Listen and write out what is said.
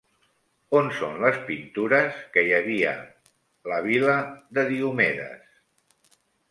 On són les pintures que hi havia la Vil·la de Diomedes?